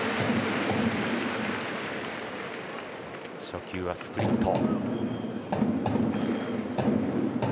初球はスプリット。